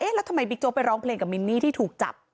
แล้วทำไมบิ๊กโจ๊ไปร้องเพลงกับมินนี่ที่ถูกจับ